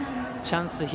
チャンス